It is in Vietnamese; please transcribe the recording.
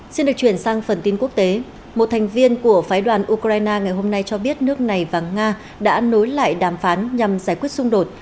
xin được chuyển sang phần tin quốc tế một thành viên của phái đoàn ukraine ngày hôm nay cho biết nước này và nga đã nối lại đàm phán nhằm giải quyết xung đột